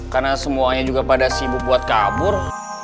karena semuanya juga pada sibuk buat kabur